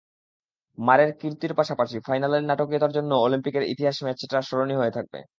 মারের কীর্তির পাশাপাশি ফাইনালের নাটকীয়তার জন্যও অলিম্পিকের ইতিহাসে ম্যাচটা স্মরণীয় হয়ে থাকবে।